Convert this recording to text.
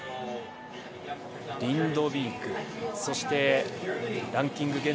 リンドビーク、そしてランキング